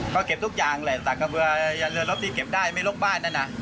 ก็เก็บทุกอย่างแหละจากกระเบือยาเรือรถที่เก็บได้ไม่ลกบ้านนั่นนะ